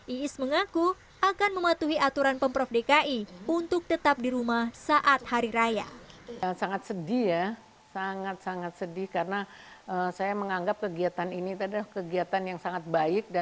iis mengaku akan mematuhi aturan pemprov dki untuk tetap di rumah saat hari raya